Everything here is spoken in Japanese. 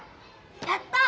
やった！